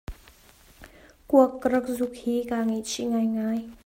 Kuak ka rak zuk hi kaa ngaihchih ngaingai.